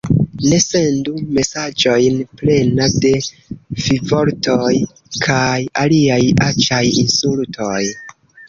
Ne sendu mesaĝojn plena de fivortoj kaj aliaj aĉaj insultoj